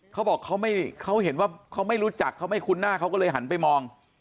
เขาบอกเขาเห็นว่าเขาไม่รู้จักเขาไม่คุ้นหน้าเขาก็เลยหันไปมอง